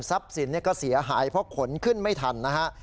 สินก็เสียหายเพราะขนขึ้นไม่ทันนะฮะ